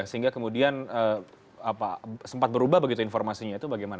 sehingga kemudian sempat berubah begitu informasinya itu bagaimana